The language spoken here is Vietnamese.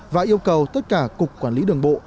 và yêu cầu tất cả cục quản lý đường bộ